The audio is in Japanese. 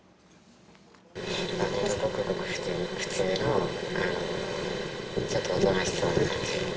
ほんとごくごく普通のちょっとおとなしそうな感じ。